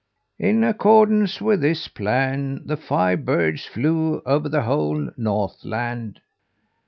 "In accordance with this plan, the five birds flew over the whole Northland.